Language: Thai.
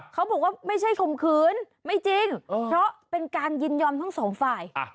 เขาบอกว่าไม่ใช่ข่มขืนไม่จริงเพราะเป็นการยินยอมทั้งสองฝ่าย